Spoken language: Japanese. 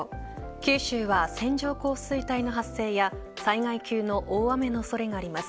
九州は線状降水帯の発生や災害級の大雨の恐れがあります。